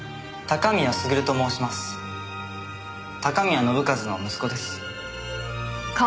高宮信一の息子です。